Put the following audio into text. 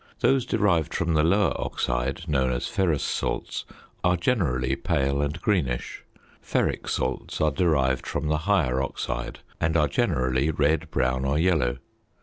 Those derived from the lower oxide, known as ferrous salts, are generally pale and greenish. Ferric salts are derived from the higher oxide, and are generally red, brown, or yellow.